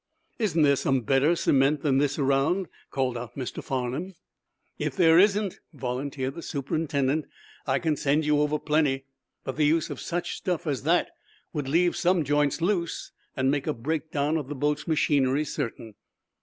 "Isn't there some better cement than this around?" called out Mr. Farnum. "If there isn't," volunteered the superintendent, "I can send you over plenty. But the use of such stuff as that would leave some joints loose, and make a breakdown of the boat's machinery certain."